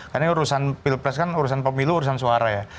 karena ini urusan pilpres kan urusan pemilu urusan suara ya